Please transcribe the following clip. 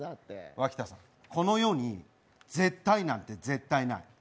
脇田さん、この世に絶対なんて、絶対ない。